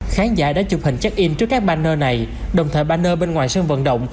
khán giả đã chụp hình check in trước các banner này đồng thời banner bên ngoài sân vận động